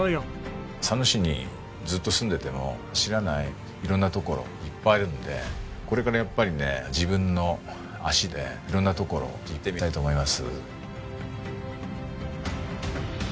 佐野市にずっと住んでいても知らない色んな所いっぱいあるのでこれからやっぱりね自分の足で色んな所行ってみたいと思います。